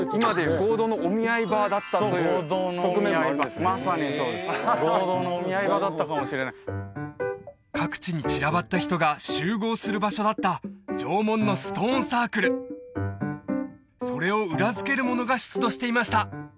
合同のお見合い場だったかもしれない各地に散らばった人が集合する場所だった縄文のストーンサークルそれを裏付けるものが出土していました